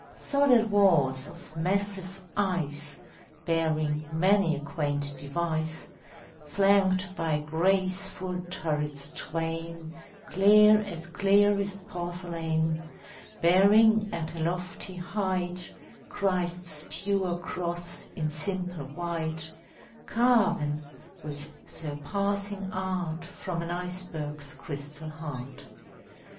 Solid walls of massive ice, Bearing many a quaint device, Flanked by graceful turrets twain, Clear as clearest porcelain, Bearing at a lofty height Christ's pure cross in simple white, Carven with surpassing art From an iceberg's crystal heart.